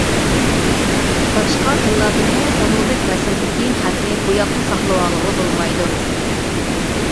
باشقا تىللاردىمۇ ئۇنىڭدەك رەسىمدىكى خەتنى بوياپلا ساقلىۋالغىلى بولمايدۇ.